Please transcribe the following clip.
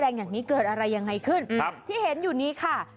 อย่างนี้เกิดอะไรยังไงขึ้นครับที่เห็นอยู่นี้ค่ะ